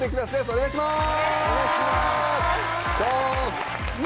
お願いします！